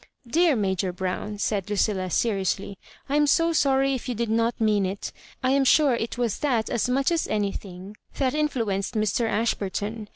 " Dear Major Brown," said Lucilla, seriously, " I am so sorry if you did not mean it. I am sure it was that as much as anything that in fluenced Mr. Ashburton.